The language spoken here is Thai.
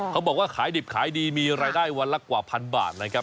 เขาบอกว่าขายดิบขายดีมีรายได้วันละกว่าพันบาทนะครับ